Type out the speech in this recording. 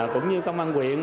cũng như công an quyện